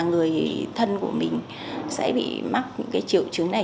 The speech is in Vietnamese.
người thân của mình sẽ bị mắc những triệu chứng này